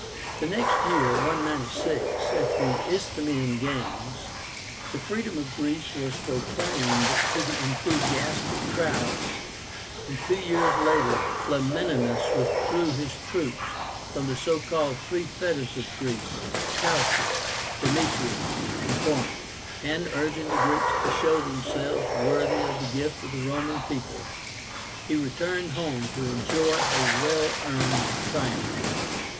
The next year (196), at the Isthmian Games, the "freedom of Greece" was proclaimed to the enthusiastic crowds, and two years later Flamininus withdrew his troops from the so called "three fetters of Greece," Chalcis, Demetrias, and Corinth, and, urging the Greeks to show themselves worthy of the gift of the Roman people, he returned home to enjoy a well earned triumph.